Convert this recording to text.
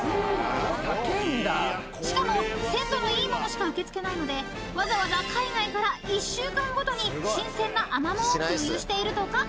［しかも鮮度のいいものしか受け付けないのでわざわざ海外から１週間ごとに新鮮なアマモを空輸しているとか］